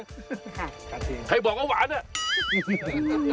ใช่ใครบอกว่าหวานเนี่ย